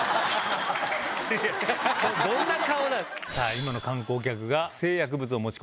今の観光客が。